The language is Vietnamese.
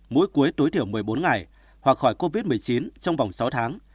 mỗi cuối tối thiểu một mươi bốn ngày hoặc khỏi covid một mươi chín trong vòng sáu tháng